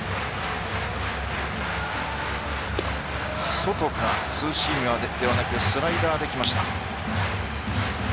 外からツーシームではなくスライダーできました。